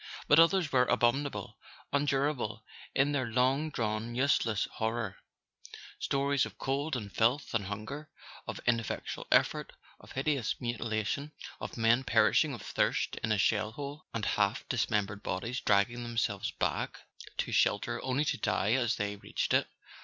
But others were abominable, unendurable, in their long drawn useless horror: stories of cold and filth and hunger, of ineffectual effort, of hideous mutila¬ tion, of men perishing of thirst in a shell hole, and half dismembered bodies dragging themselves back to shel¬ ter only to die as they reached it.